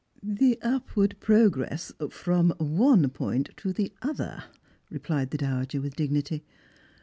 " The upward progress from one point to the other," replied the dowager with dignity.